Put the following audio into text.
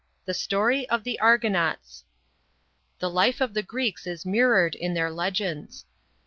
THE STORY OF THE ARGONAUTS. " The life of the Greeks is mirrored in their legends."